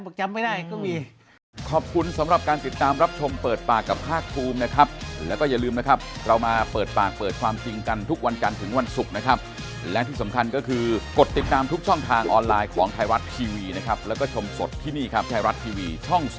ผมไม่เห็นละวันนี้เห็นพอไปถึงศาสน์บอกจำไม่ได้ก็มี